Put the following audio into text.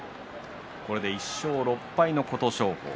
これで１勝６敗の琴勝峰。